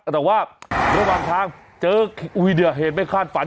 แต่ว่าบางทางเจออุ้ยเดี๋ยวเหตุไม่คาดฝัน